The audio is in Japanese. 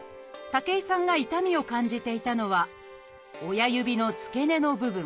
武井さんが痛みを感じていたのは親指の付け根の部分。